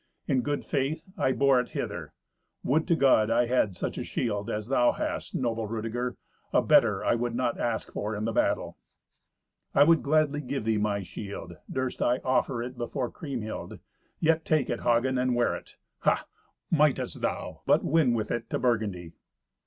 In good faith I bore it hither. Would to God I had such a shield as thou hast, noble Rudeger! A better I would not ask for in the battle." "I would gladly give thee my shield, durst I offer it before Kriemhild. Yet take it, Hagen, and wear it. Ha! mightest thou but win with it to Burgundy!"